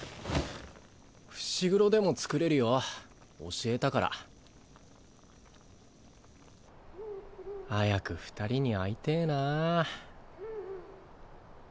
伏黒でも作れるよ教えたから。早く二人に会いてぇな。